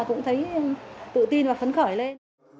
cũng thấy tự tin và phấn khởi lên